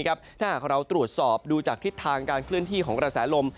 ถ้าหากเราตรวจสอบดูจากทิศทางการเคลื่อนที่ของกระแสลม